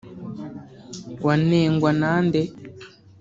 wanengwa na nde